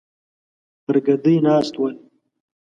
پر ګدۍ ناست ول.